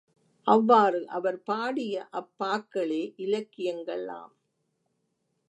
அவ்வாறு அவர் பாடிய அப் பாக்களே இலக்கியங்களாம்.